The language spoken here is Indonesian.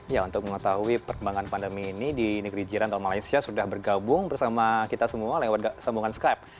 ya untuk mengetahui perkembangan pandemi ini di negeri jiran tol malaysia sudah bergabung bersama kita semua lewat sambungan skype